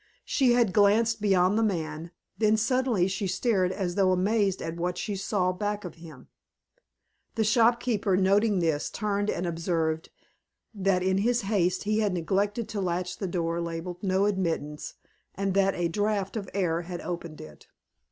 She had glanced beyond the man, then suddenly she stared as though amazed at what she saw back of him. The shopkeeper, noting this, turned and observed that in his haste he had neglected to latch the door labeled "No Admittance," and that a draught of air had opened it.